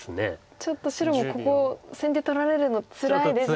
ちょっと白もここ先手取られるのつらいですよね。